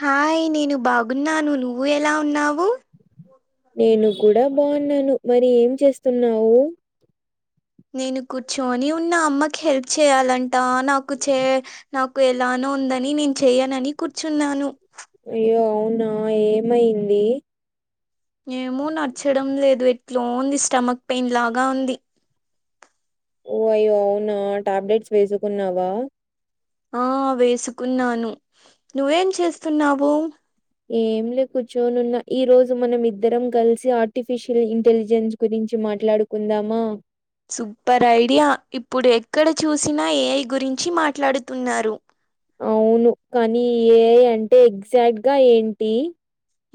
Hi నేను బాగున్నాను నువ్వు ఎలా ఉన్నావు నేను కూడా బాగున్నాను మరి ఏం చేస్తున్నావు నేను కూర్చోని ఉన్న అమ్మకి హెల్ప్ చేయాలంట నాకు చే నాకు ఎలానో ఉందని నేను చెయనని కూర్చున్నాను అయ్యో అవునా ఏమయింది ఏమో నచ్చచడం లేదు ఎట్లో ఉంది స్టమక్ పెయిన్ లాగా ఉంది ఓ అయ్యో అవునా టాబ్లెట్స్ వేసుకున్నావా ఆ వేసుకున్నాను నువ్వేం చేస్తున్నావు ఏం లే కూర్చొని ఉన్న ఈరోజు మనం ఇద్దరం కలిసి ఆర్టిఫిషియల్ ఇంటెలిజెన్స్ గురించి మాట్లాడుకుందామా సూపర్ ఐడియా ఇప్పుడు ఎక్కడ చూసినా ఏఐ గురించి మాట్లాడుతున్నారు అవును కానీ ఏ అంటే ఎగ్జాక్ట్గా ఏంటి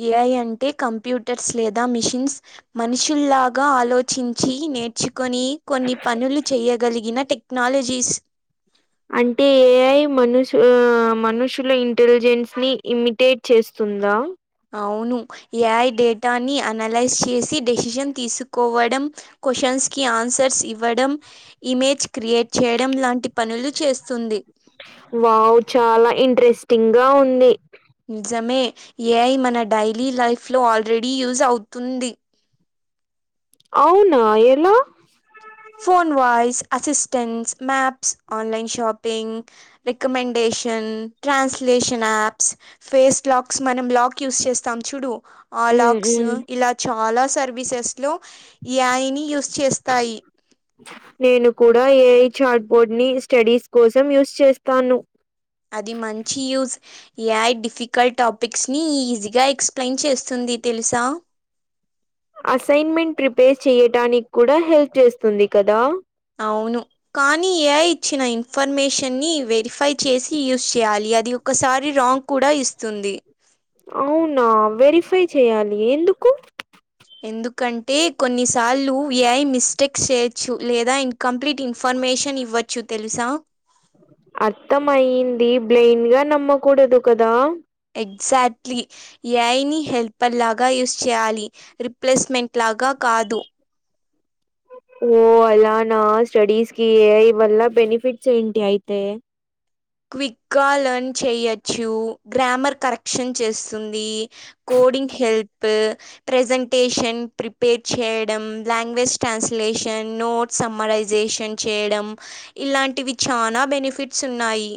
ఏఐ అంటే కంప్యూటర్స్ లేదా మిషిన్స్ మనుషుల్లాగా ఆలోచించి నేర్చు కొని కొన్ని పనులు చేయగలిగిన టెక్నాలజీస్ అంటే ఏఐ మనుషు ఆ మనుషుల ఇంటెలిజెన్స్ని ఇమిటేట్ చేస్తుందా అవును ఏఐ డేటాని అనలైజ్ చేసి డెసిషన్ తీసుకోవడం క్వ్చన్స్కి ఆన్సర్స్ ఇవ్వడం ఇమేజ్ క్రియేట్ చేయడం లాంటి పనులు చేస్తుంది వావ్ చాలా ఇంట్రెస్టింగ్గా ఉంది నిజమే ఏఐ మన డైలీ లైఫ్ లో ఆల్రెడీ యూజ్ అవుతుంది అవ్నా ఎలా phone voice assistants maps online shopping recommendation translation apps face locks మనం లాక్ యూస్ చేస్తాం చూడు హ్మ్. ఆలాక్స్ హ్మ్. ఇలా చాలా సర్వీసెస్లో ఐని యూస్ చేస్తాయి నేను కూడా ఏఐ చార్ట్ బోర్డ్ని స్టడీస్ కోసం యూస్ చేస్తాను అది మంచి యూజ్ ఎఐ డిఫికల్ట్ టాపిక్స్ని ఈజీగా ఎక్స్ప్లెయిన్ చేస్తుంది తెలుసా అసైన్మెంట్ ప్రిపేర్ చెయటానికి కూడా హెల్ప్ చేస్తుంది కదా అవును కానీ ఏఐ ఇచ్చిన ఇన్ఫర్మేషన్ని వెరిఫై చేసి యూజ్ చేయాలి అది ఒకసారి రాంగ్ కూడా ఇస్తుంది అవునా వెరిఫై చెయాలి ఎందుకు ఎందుకంటే కొన్నిసార్లు ఏఐ మిస్టేక్ చేయొచ్చు లేదా ఇంకా కంప్లీట్ ఇన్ఫర్మేషన్ ఇవ్వచ్చు తెలుసా అర్థం అయింది బ్లేమ్ గా నమ్మకూడదు కదా ఎక్జాట్లీ ఏఐ ని హెల్పర్ లాగా యూజ్ చేయాలి రిప్లేస్మెంట్ లాగా కాదు ఓ అలానా స్టడీస్ కి ఏఐ వల్ల బెనిఫిట్స్ ఏంటి అయితే క్విక్ గా లర్న్ చేయొచ్చు గ్రామర్ కరెక్షన్ చేస్తుంది కోడింగ్ హెల్ప్ ప్రజెంటేషన్ ప్రిపేర్ చేయడం లాంగ్వేజ్ ట్రాన్స్లేషన్ నోట్ సమ్మరైజేషన్ చేయడం ఇలాంటివి చానా బెనిఫిట్స్ ఉన్నాయి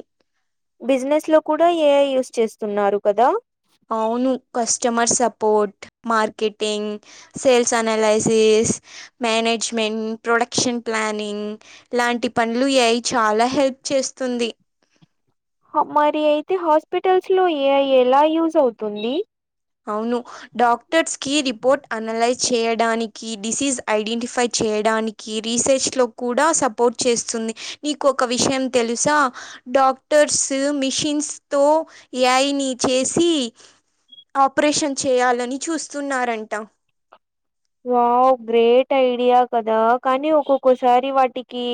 బిజినెస్ లో కూడా ఏఐ యూస్ చేస్తున్నారు కదా అవును customer support marketing sales analysis management production planning ఇలాంటి పనులు ఏఐ చాలా హెల్ప్ చేస్తుంది హ మరి అయితే హాస్పిటల్స్ లో ఏఐ ఎలా యూజ్ అవుతుంది అవును డాక్టర్స్ కి రిపోర్ట్ అనలైజ్ చేయడానికి డిసీస్ ఐడెంటిఫై చేయడానికి కి రీసెర్చ్ లో కూడా సపోర్ట్ చేస్తుంది నీకు ఒక విషయం తెలుసా డాక్టర్స్ మిషిన్స్ తో ఏ ఐ నీ చేసి ఆపరేషన్ చేయాలని చూస్తున్నారంట వావ్ గ్రేట్ ఐడియా కదా కానీ ఒక్కొక్కసారి వాటికి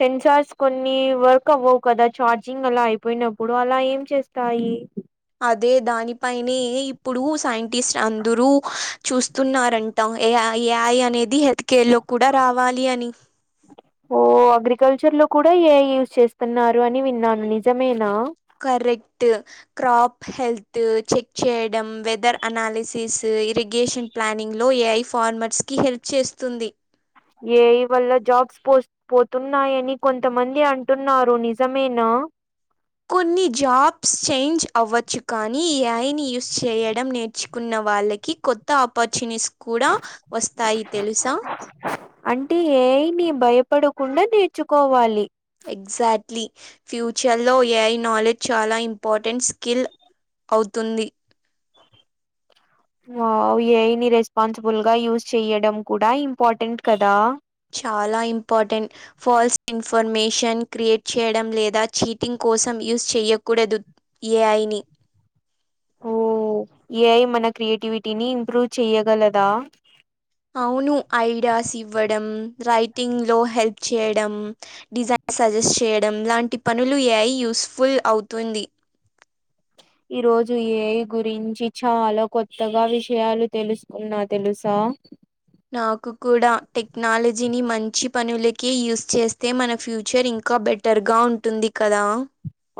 సెన్సార్స్ కొన్ని వర్క్ అవ్వవు కదా ఛార్జింగ్ అలా అయిపోయినప్పుడు అలా ఏం చేస్ తాయి అదే దానిపైనే ఇప్పుడు సైంటిస్ట్ అందరూ చూస్తున్నారం టా ఏఐ ఏఐ అనేది హెల్త్ కేర్ లో కూడా రావాలి అని ఓ అగ్రికల్చర్ లో కూడా ఏఐ యూజ్ చేస్తున్నారు అని విన్నాను నిజమేనా కరెక్ట్ క్రాప్ హెల్త్ చెక్ చేయడం వెదర్ అనాలిసిస్, ఇరిగేషన్ ప్లానింగ్లో ఏఐ ఫార్మర్స్ కి హెల్ప్ చేస్తుంది ఏ ఐ వల్ల జాబ్స్ పోస్ పోతున్నాయని కొంతమంది అంటున్నారు నిజమేనా కొన్ని జాబ్స్ చేంజ్ అవ్వచ్చు కానీ ఏఐని యూస్ చేయడం నేర్చుకున్న వాళ్ళకి కొత్త ఆపర్చునిటీస్ కూడా వస్తాయి తెలుసా అంటే ఏఐని భయపడకుండా నేర్చుకోవాలి ఎగ్జాక్ట్లీ ఫ్యూచర్ లో ఏఐ నాలెడ్జ్ చాలా ఇంపార్టెంట్ స్కిల్ అవుతుంది వావ్ ఏఐ రెస్పాన్సిబుల్ గా యూజ్ చెయడం కూడా ఇంపార్టెంట్ కదా చాలా ఇంపార్టెంట్ ఫాల్స్ ఇన్ఫర్మేషన్ క్రియేట్ చేయడం లేదా చీటింగ్ కోసం యూజ్ చేయకూడదు ఏ ఐ నీ ఓ ఏఐ మన క్రియేటి విటీని ఇంప్రూవ్ చేయ్యగలదా అవును ఐడియాస్ ఇవ్వడం రైటింగ్ లో హెల్ప్ చేయడం డిజైన్ సజెస్ట్ చేయడం లాంటి పనులు ఏఐ యూజ్ ఫుల్ అవుతుంది ఈ రోజు ఏఐ గురించి చాలా కొత్తగా విషయాలు తెలుసుకున్నా తెలుసా నాకు కూడా టెక్నాలజీని మంచి పనులకే యూజ్ చేస్తే మన ఫ్యూచర్ ఇంకా బెట టర్ గా ఉంటుంది కదా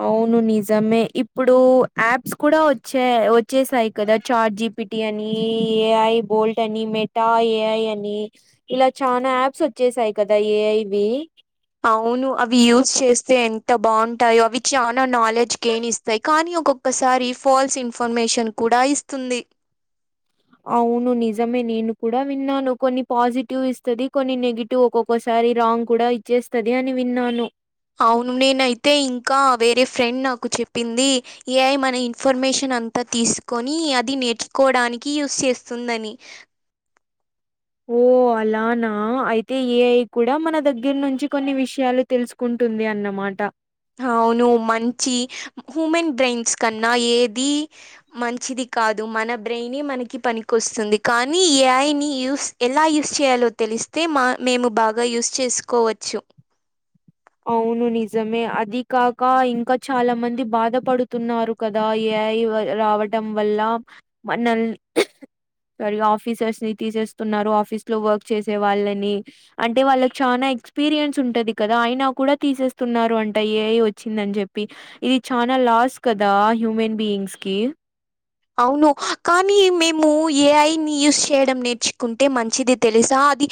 అవును నిజమే ఇప్పుడు యాప్స్ కూడా వచ్చాయి వచ్చేసాయి కదా చాట్ జి పిటీ అని ఏ ఐ బోల్ట్ అని మెటా ఏఐ అని ఇలా చానా యాప్స్ వచ్చేసాయి కదా ఏఐవి అవును అవి యూజ్ చేస్తే ఎంత బాగుంటాయో అవి చానా నాలెడ్జ్ గెయిన్ ఇస్తా యి కానీ ఒక్కొక్కసారి ఫాల్స్ ఇన్ఫర్మేషన్ కూడా ఇస్తుంది అవును నిజమే నేను కూడా విన్నాను కొన్ని పాజిటివ్ ఇస్తది కొన్ని నెగి టివ్ ఒక్కొక్కసారి రాంగ్ కూడా ఇచ్చేస్తది అని విన్నాను అవును నేనయితే ఇంకా వేరే ఫ్రెండ్ నాకు చెప్పింది ఏఐ మన ఇన్ఫర్మేషన్ అంతా తీసుకొని అది నేర్చోకోవడానికి యూజ్ చేస్తుందని ఓ అలానా అయితే ఏఐ కూడా మన దగ్గర నుంచి కొన్ని విషయాలు తెలుసుకుంటుంది అన్నమాట అవును మంచి హ్యూమన్ బ్రెయిన్స్ కన్నా ఏది మంచిది కాదు మన బ్రెయినే మనకి పనికి వస్తుంది కానీ ఏఐని యూజ్ ఎలా యూజ్ చేయాలో తెలిస్తే మా మేము బాగా యూజ్ చేసుకోవచ్చు అవును నిజమే అది కాక ఇంకా చాలా మంది బాధపడుతున్నారు కదా ఎఐ రావటం వల్ల మ నల్ వాళ్ళు ఆఫీసర్స్ ని తీసేస్తున్నారు ఆఫీస్ లో వర్క్ చేసే వాళ్ళని అంటే వాళ్ళకి చాలా ఎక్స్పీరియన్స్ ఉంటది కదా ఆయిన కూడా తీసేస్తున్నారు అంట ఏఐ వచ్చిందని చెప్పి ఇది చానా లాస్ కదా హ్యూమన్ బీయింగ్స్ కి అవును కానీ మేము ఏఐని యూజ్ చేయడం నేర్చుకుంటే మంచిది తెలుసా అది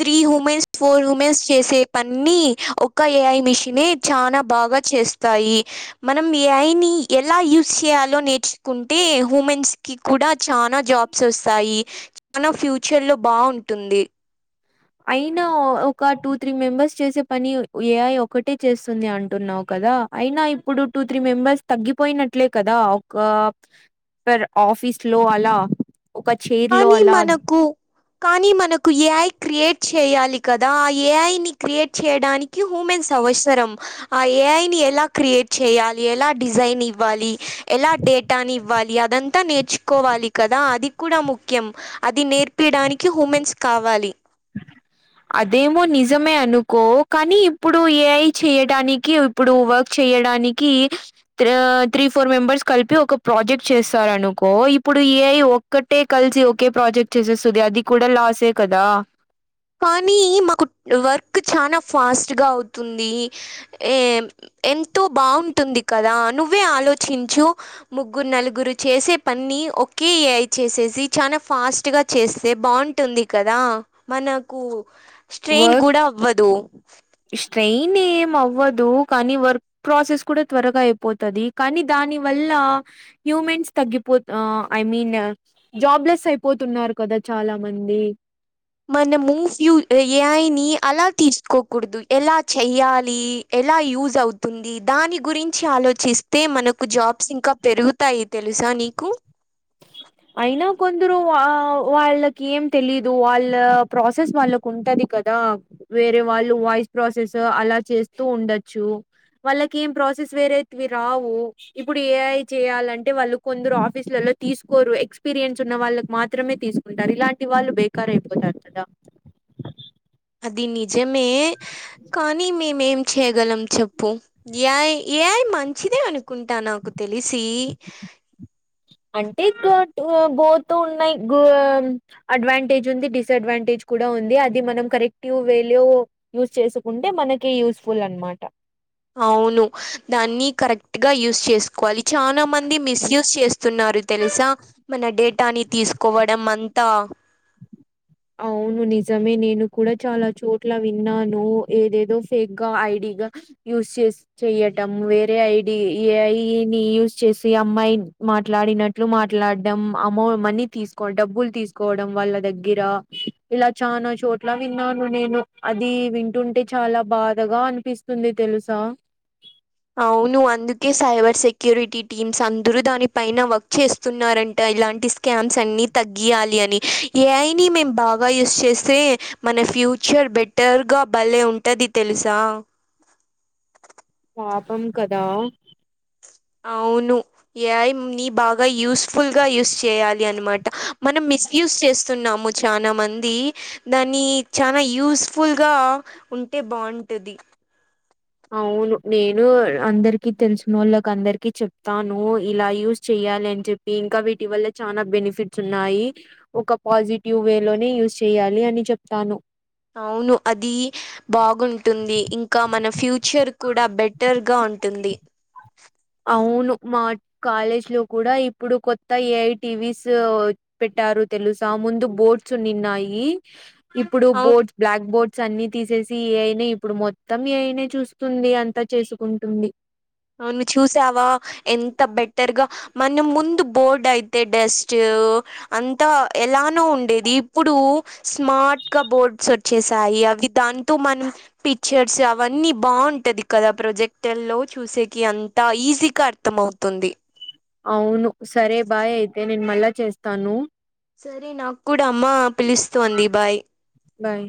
త్రీ హుమెన్స్ ఫోర్ హుమెన్స్ చేసే పనిని ఒక ఏఐ మిషన్ చాలా బాగా చేస్త తాయి మనం ఏఐ నీ ఎలా యూజ్ చేయాలో నేర్చుకుంట టే హుమెన్స్ కి కూడా చానా జాబ్స్ వస్తాయి చానా ఫ్యూచర్ లో బాగుంటుంది అయినా ఒక టూ త్రీ మెంబర్స్ చేసే పని ఏఐ ఒకటే చేస్తుంది అంటున్నావు కదా అయినా ఇప్పుడు టూ త్రీ మెంబర్స్ తగ్గిపోయినట్లే కదా ఒక పర్ ఆఫీస్ లో అలా ఒక చె కానీ మనకు కానీ మనకు ఏఐ క్రియేట్ చేయాలి కదా ఆ ఏఐని క్రియేట్ చేయడాని క్యా హూమన్స్ అవసరం ఆ ఏఐ ని ఎలా క్రియేట్ చేయాలి ఎలా డిజైన్ ఇవ్వాలి ఎలా డేట్ ట్టాని ఇవ్వాలి అదంతా నేర్చుకోవాలి కదా అది కూడా ముఖ్యం అది నేర్పయడానికి హుమెన్స్ కావాలి అదేమో నిజమే అనుకో కానీ ఇప్పుడు ఏఐ చేయడానికి ఇప్పుడు వర్క్ చేయడానికి త్రా త్రీ ఫోర్ మెంబర్స్ కలిపి ఒక ప్రాజెక్ట్ చేస్తారునుకో ఇప్పుడు ఏఐ ఒక్కటే కలిసి ఒకే ప్రాజెక్ట్ చేసేస్తుంది అది కూడా లాసే కదా కానీ మాకు వర్క్ చానా ఫాస్ట్గ అవుతుంది ఏ ఎంతో బాగుంటుంది కదా నువ్వే ఆలోచించు ముగ్గురు నలుగురు చేసే పన్ని ఒకే ఏ ఐ చేసేసి చానా ఫాస్ట్ గా చేస్తే బావుంట్ టున్ది కదా మనకు స్ట్రెయిన్ వర్క్ కూడ అవ్వదు స్ట్రెయిన్ ఏం అవ్వదు కనీ వర్క్ ప్రాసెస్ కూడ త్వరగా అయిపోతది కనీ దాని వల్ల హ్యూమన్స్ తగ్గిపోత్ ఆ ఐ మీన్ జాబ్లెస్ అయిపోతున్నారు కదా చాలా మంది మన మూవ్సియు ఏ ఐ ని అలా తీసుకోకూడదు ఎలా చెయ్యాలి ఎలా యూజ్ అవుతుంది దాని గురించి ఆలోచిస్తే మనకు జాబ్స్ ఇంకా పెరుగుతాయి తెలుసా నీకు అయినా కొందరు వా వాళ్ళకి ఏం తెలీదు వాళ్ళ ప్రాసెస్ వాళ్ళక్ కుంటది కదా వేరే వాళ్ళు వాయిస్ ప్రాసెస్ అలా చేస్తూ ఉండచ్చు వాళ్ళకి ఏం ప్రాసెస్ వేరేతివి రావు ఇప్పుడు ఏ ఐ చేయాలంటే వాళ్ళు కొందరు ఆఫీసులలల్లో తీసుకోరు ఎక్స్పీరియన్స్ ఉన్న వాళ్ళకి మాత్రమే తీసుకుంటారు ఇలాంటి వాళ్ళు బే కారైపోతారు గదా అది నిజమే కానీ మేమేం చేయగలం చెప్పు యాయ్ ఏ ఐ మంచిదే అనుకుంటా నాకు తెలిసి అంటే థాట్ ఆ గోతూ ఉన్నాయి గొ అడ్వాంటేజ్ ఉంది డిస్ అడ్వాన్టేజ్ కూడ ఉంది అది మనం కరెక్టివ్ వేలో యూస్ చేసుకుంటే మనకీ యూస్ ఫుల్ అనమాట అవును దాన్ని కరెక్ట్ గ యూస్ చేసుకోవాలి చాలా మంది మిస్యూస్ చేస్ స్తున్నారు తెలుసా మన డేటాని తీసుకోవడం అంతా అవును నిజమే నేను కూడ చాలా చోట్ల విన్నాను ఏదేదో ఫేక్గ ఐ డి గా యూస్ చేస్ చెయ్యటం వేరే ఐ డి ఏ ఐ ని యూజ్ చేసి అమ్మాయి మాట్లాడినట్ ట్లు మాట్లాడ్డం అమౌ మనీ తీసుకోడం డబ్బులు తీసుకోవడం వాళ్ళ దగ్గర ఇలా చానా చోట్ల విన్నాను నేను అది వింటుంటే చాలా బాధగా అనిపిస్ స్తుంది తెలుసా అవును అందుకే సైబర్ సెక్యూరిటీ టీమ్స్ అందరూ దానిపైన వర్క్ చేస్తున్నారంట ఇలాంటిస్ స్కామ్స్ అన్ని తగ్గియాలి అని ఏ ఐ ని మేము బాగా యూస్ చేస్తే మన ఫ్యూచర్ బెటర్ గ భలే ఉంటది తెలుసా పాపం కదా అవును ఏ ఐ ని బాగ యూస్ఫుల్ గ యూస్ చేయాలి అనమాట మనం మిస్ యూస్ చేస్తున్నాము చానా మంది దాన్ని చానా యూస్ఫుల్గా ఉంటే బావుంటది అవును నేను అందరికి తెలిసినోళ్ళకందరికి చెప్తాను ఇలా యూజ్ చెయ్యాలి అని చెప్ ఇంకా వీటి వల్ల చానా బెనిఫిట్స్ ఉన్నాయి ఒక పాజిటివ్ వే లోనే యూస్ చేయాలి అని చెప్తాను అవును అదీ బాగుంటుంది ఇంకా మన ఫ్యూచర్ కూడ బెటర్ గా ఉంటుంది అవును మా కాలేజ్ లో కూడ ఇప్పుడు కొత్త ఏ ఐ టి వీ స్ పెట్టారు తెలుసా ముందు బోర్డ్స్ ఉండిన్నాయి ఇప్పుడు అవు బోర్డ్ బ్లాక్ బోర్డ్స్ అన్ని తీసేసి ఏ ఐ నే ఇప్పుడు మొత్తం ఏ ఐ నేచూస్తుంది అంతా చేసుకుంటుంది అవు నువ్ చూసావా ఎంత బెటర్గా మన ముందు బోర్డ్ అయితే డెస్ట్ అంతా ఎలానో ఉండేది ఇప్పుడు స్మార్ట్గా బోర్డ్స్ చేశాయి అవి దాంతో మనం పిక్చర్స్ అవన్నీ బాగుంటది కదా ప్రొజెక్టర్ లో చూసేకి అంతా ఈజీగా అర్థం అవుతుంది అవును సరే బాయ్ అయితే నేను మళ్ళా చేస్తాను సరే నాకు కూడా అమ్మ పిలుస్తోంది బాయ్ బాయ్